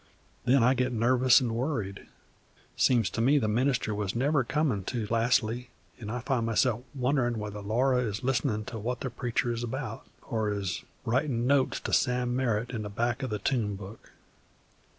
Then I get nervous and worried. Seems to me the minister was never comin' to lastly, and I find myself wonderin' whether Laura is listenin' to what the preachin' is about, or is writin' notes to Sam Merritt in the back of the tune book.